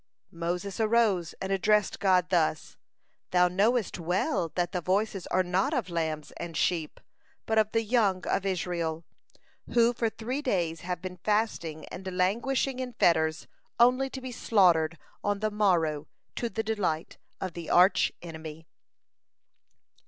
Moses arose and addressed God thus: "Thou knowest well that the voices are not of lambs and sheep, but of the young of Israel, who for three days have been fasting and languishing in fetters, only to be slaughtered on the morrow to the delight of the arch enemy."